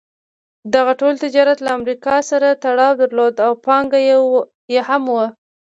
دغه ټول تجارت له امریکا سره تړاو درلود او پانګه یې هم وه.